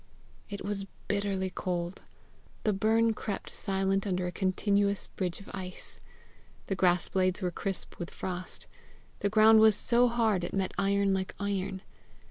It was bitterly cold. The burn crept silent under a continuous bridge of ice. The grass blades were crisp with frost. The ground was so hard it met iron like iron.